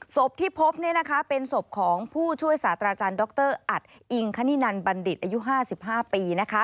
ศพที่พบเป็นศพของผู้ช่วยศาสตราจารย์ดรอัตอิงคณินันบัณฑิตอายุ๕๕ปี